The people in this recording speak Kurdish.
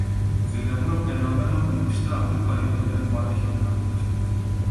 Zêdebûna penaberan li pişta Ewropayê bûye barekî girantir.